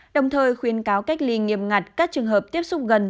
đồng thời khuyến cáo cách ly nghiêm ngặt các trường hợp tiếp xúc gần